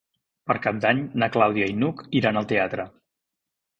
Per Cap d'Any na Clàudia i n'Hug iran al teatre.